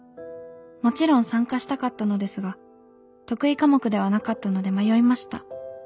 もちろん参加したかったのですが得意科目ではなかったので迷いました。